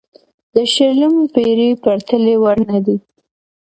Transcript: د شلمې پېړۍ پرتلې وړ نه دی.